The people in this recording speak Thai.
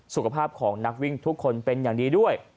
สุขภาพของนักวิ่งทุกคนเป็นอย่างดีด้วย